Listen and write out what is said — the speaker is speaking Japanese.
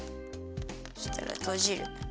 そしたらとじる。